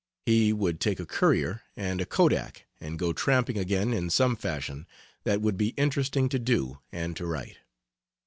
He would take a courier and a kodak and go tramping again in some fashion that would be interesting to do and to write.